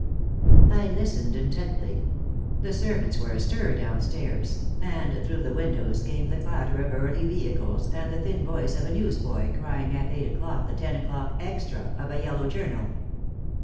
I listened, intently. The servants were astir down stairs, and through the windows came the clatter of early vehicles and the thin voice of a newsboy crying at eight o'clock the ten o'clock "extra" of a yellow journal.